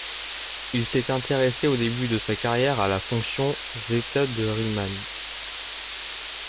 Il s'est intéressé au début de sa carrière à la fonction zêta de Riemann.